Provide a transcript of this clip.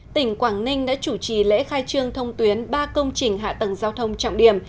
tỉnh quảng ninh đã chủ trì lễ khai trương thông tuyến ba công trình hạ tầng giao thông trọng điểm